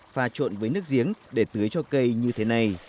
pha trộn với nước giếng để tưới cho cây như thế này